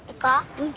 うん。